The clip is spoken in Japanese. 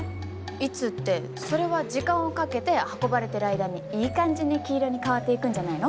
いつってそれは時間をかけて運ばれてる間にいい感じに黄色に変わっていくんじゃないの？